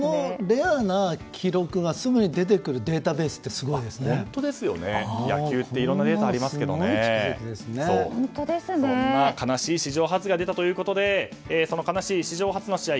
レアな記録がすぐに出てくるデータベースって野球っていろんなニュースが悲しい史上初が出たということでその悲しい史上初の試合